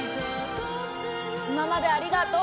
今までありがとう！